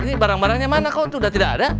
ini barang barangnya mana kok sudah tidak ada